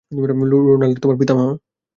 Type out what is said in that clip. Roland তোমার পিতামহ?